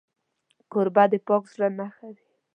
کوربه د پاک زړه نښه وي.